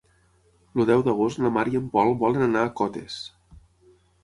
El deu d'agost na Mar i en Pol volen anar a Cotes.